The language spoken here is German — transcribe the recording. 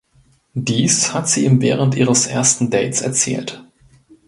Dies hat sie ihm während ihres ersten Dates erzählt.